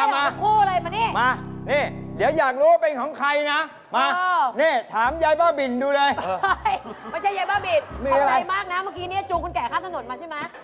ไม่ไม่ใช่ยายบ้าบินของใดมากนะเมื่อกี้นี่จูงคุณแก่ข้ามถนนมาใช่ไหม